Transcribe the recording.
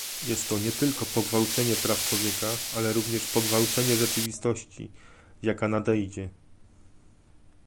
Jest to nie tylko pogwałcenie praw człowieka, ale również pogwałcenie rzeczywistości, jaka nadejdzie